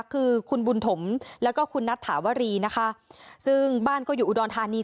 คือคุณบุญถมแล้วก็คุณนัทถาวรีนะคะซึ่งบ้านก็อยู่อุดรธานี